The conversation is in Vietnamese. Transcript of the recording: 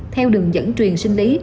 theo đường dẫn truyền sinh lý